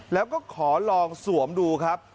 แล้วก็ขอลองสวมดูครับ